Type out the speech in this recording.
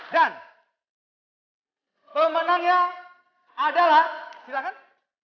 dan pemenangnya adalah silahkan